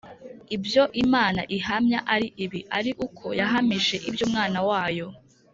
ibyo Imana ihamya ari ibi, ari uko yahamije iby'Umwana wayo.